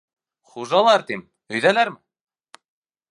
— Хужалар, тим, өйҙәләрме?